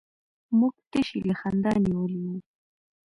موږ تشي له خندا نيولي وو.